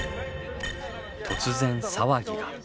突然騒ぎが。